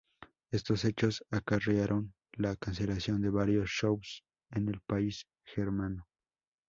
Estos hechos acarrearon la cancelación de varios shows en el país germano.